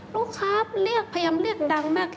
ลูกค้าเรียกพยายามเรียกดังมาก